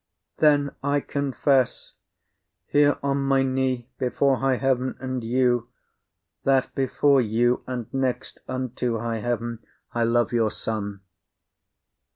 Then I confess, Here on my knee, before high heaven and you, That before you, and next unto high heaven, I love your son.